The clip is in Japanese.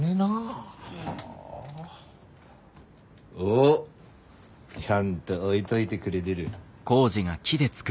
おっちゃんと置いどいでくれでる。